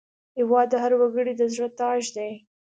هېواد د هر وګړي د زړه تاج دی.